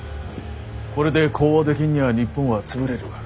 これで講和できんにゃあ日本は潰れる。